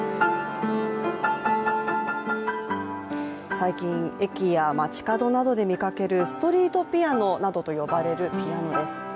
最近、駅や街角などで見かけるストリートピアノなどと呼ばれるピアノです。